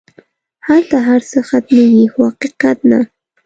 هلته هر څه ختمېږي خو حقیقت نه.